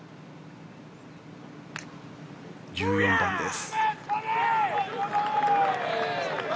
１４番です。